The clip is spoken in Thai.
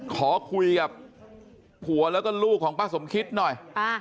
ขอคุยกับผัวแล้วก็ลูกของป้าสมคิดหน่อย